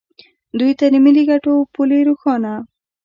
دوی ته د ملي ګټو پولې روښانه